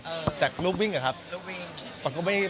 เออจากรูปวิงหรือหรือครับรูปวิงว่าก็ไม่ได้